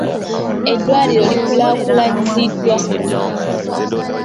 Eddwaliro likulaakulanyiziddwa.